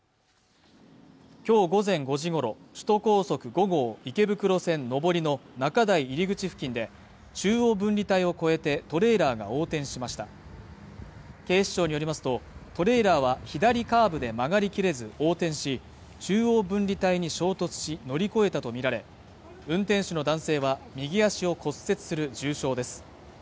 今日午前５時ごろ首都高速５号池袋線上りの中台入口付近で中央分離帯を越えてトレーラーが横転しました警視庁によりますとトレーラーは左カーブで曲がりきれず横転し中央分離帯に衝突し乗り越えたと見られ運転手の男性は右足を骨折する重傷です